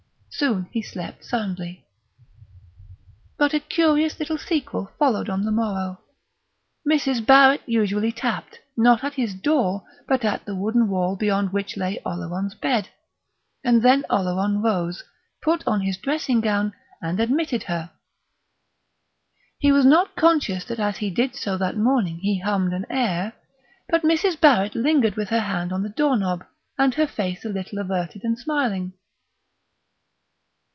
Soon he slept soundly. But a curious little sequel followed on the morrow. Mrs. Barrett usually tapped, not at his door, but at the wooden wall beyond which lay Oleron's bed; and then Oleron rose, put on his dressing gown, and admitted her. He was not conscious that as he did so that morning he hummed an air; but Mrs. Barrett lingered with her hand on the door knob and her face a little averted and smiling.